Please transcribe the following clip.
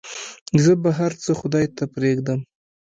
زه به هرڅه خداى ته پرېږدم.